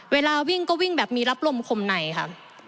เวลาวิ่งก็วิ่งแบบมีรับลมคมในค่ะ